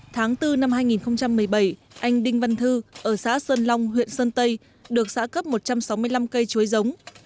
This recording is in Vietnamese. tháng bốn năm hai nghìn một mươi bảy anh đinh văn thư ở xã sơn long huyện sơn tây được xã cấp một trăm sáu mươi năm cây chuối giống